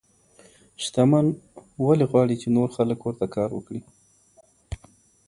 شتمن ولي غواړي چي نور خلګ ورته کار وکړي؟